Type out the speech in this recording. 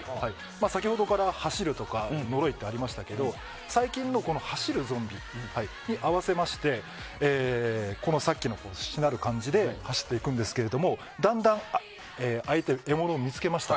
先ほどから走るとかのろいってありましたけど最近の走るゾンビに合わせましてさっきのしなる感じで走っていくんですけどもだんだん、獲物を見つけました。